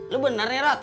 lo bener ya rat